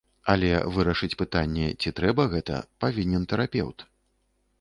Але вырашыць пытанне, ці трэба гэта, павінен тэрапеўт.